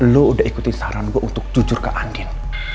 lo udah ikutin saran gue untuk jujur ke andin